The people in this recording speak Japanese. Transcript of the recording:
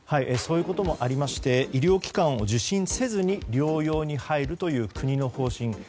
そういうこともありまして医療機関を受診せずに療養に入るという国の方針